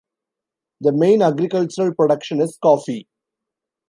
The main agricultural production is coffee.